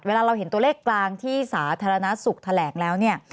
เวลาเราเห็นตัวเลขกลางที่สาธารณสุขแถลงแล้วเนี่ย